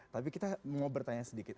tapi kita mau bertanya sedikit